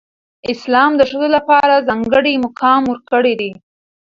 اسلام د ښځو لپاره ځانګړی مقام ورکړی دی.